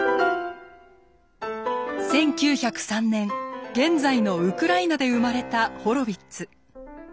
１９０３年現在のウクライナで生まれたホロヴィッツ。